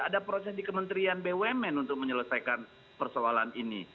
ada proses di kementerian bumn untuk menyelesaikan persoalan ini